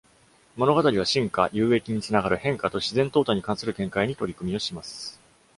物語は進化、有益につながる変化と自然淘汰に関する見解に取り組みをします。